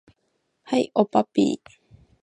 はい、おっぱっぴー